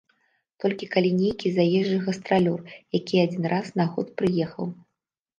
Толькі калі нейкі заезджы гастралёр, які адзін раз на год прыехаў.